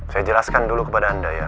saya jelaskan dulu kepada anda ya